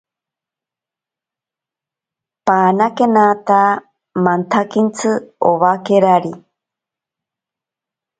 Pamanantena mantsakintsi owakerari.